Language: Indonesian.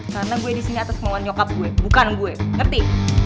karena gue di sini atas kemauan nyokap gue bukan gue ngerti